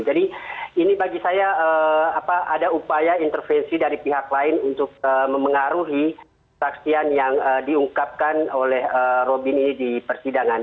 jadi ini bagi saya ada upaya intervensi dari pihak lain untuk memengaruhi kesaksian yang diungkapkan oleh robin ini di persidangan